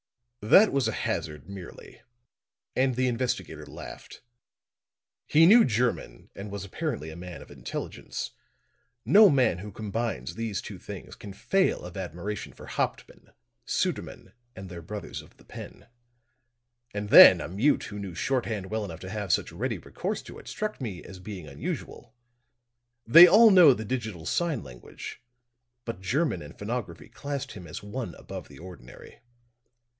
"That was a hazard, merely," and the investigator laughed. "He knew German and was apparently a man of intelligence. No man who combines these two things can fail of admiration of Hauptmann, Sudermann and their brothers of the pen. And then a mute who knew shorthand well enough to have such ready recourse to it, struck me as being unusual. They all know the digital sign language; but German and phonography classed him as one above the ordinary.